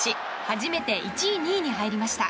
初めて１位、２位に入りました。